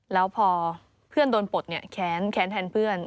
แล้วพอเพื่อนโดนปลดเนี่ยแค้นแทนเพื่อน